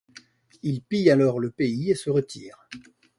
Il pille alors le pays et se retire.